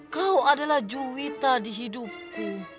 kau adalah juwita di hidupku